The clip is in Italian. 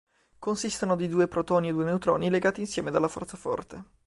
Consistono di due protoni e due neutroni legati insieme dalla forza forte.